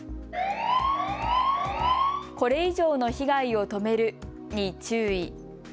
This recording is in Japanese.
これ以上の被害を止めるに注意。